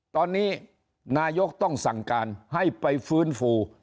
ตอนนี้นายกต้องสั่งการให้ไปฟื้นฟู